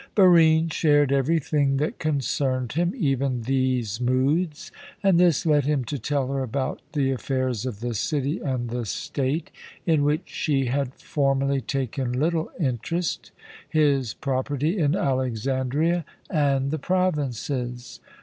Barine shared everything that concerned him, even these moods, and this led him to tell her about the affairs of the city and the state, in which she had formerly taken little interest, his property in Alexandria and the provinces.